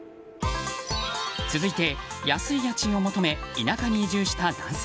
続いて、安い家賃を求め田舎に移住した男性。